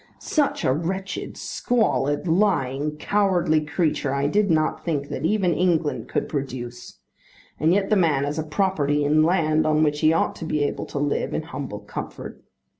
Such a wretched, squalid, lying, cowardly creature I did not think that even England could produce. And yet the man has a property in land on which he ought to be able to live in humble comfort.